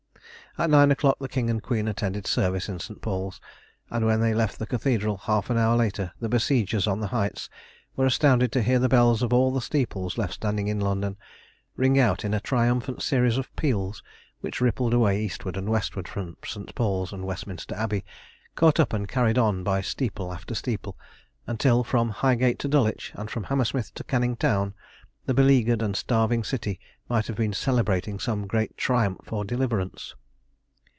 At nine o'clock the King and Queen attended service in St. Paul's, and when they left the Cathedral half an hour later the besiegers on the heights were astounded to hear the bells of all the steeples left standing in London ring out in a triumphant series of peals which rippled away eastward and westward from St. Paul's and Westminster Abbey, caught up and carried on by steeple after steeple, until from Highgate to Dulwich, and from Hammersmith to Canning Town, the beleaguered and starving city might have been celebrating some great triumph or deliverance.